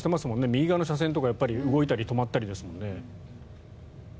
右側の車線とか動いたり止まったりですもんね。